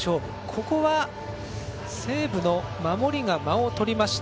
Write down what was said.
ここは、西武の守りが間をとりました。